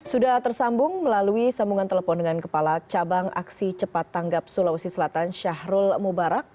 sudah tersambung melalui sambungan telepon dengan kepala cabang aksi cepat tanggap sulawesi selatan syahrul mubarak